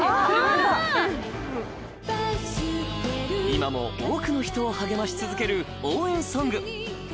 今も多くの人を励まし続ける応援ソングＺＡＲＤ